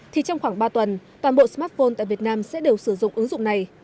thì trong khoảng ba tuần toàn bộ smartphone tại việt nam sẽ đều sử dụng ứng dụng này